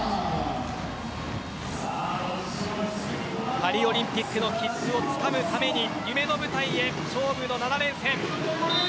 パリオリンピックの切符をつかむために夢の舞台へ、勝負の７連戦。